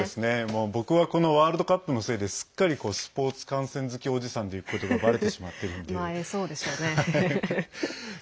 僕はこのワールドカップのせいですっかりスポーツ観戦好きおじさんということがばれてしまっているので。